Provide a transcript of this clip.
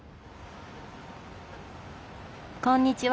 こんにちは。